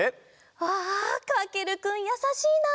うわかけるくんやさしいな！